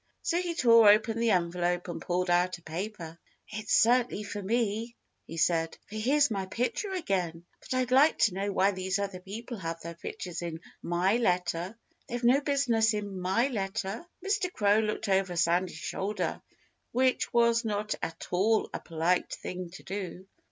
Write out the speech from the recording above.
So he tore open the envelope and pulled out a paper. "It's certainly for me," he said, "for here's my picture again. But I'd like to know why these other people have their pictures in my letter. They've no business in my letter!" Mr. Crow looked over Sandy's shoulder which was not at all a polite thing to do.